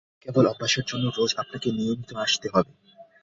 কেবল অভ্যাসের জন্য রোজ আপনাকে নিয়মিত আসতে হবে।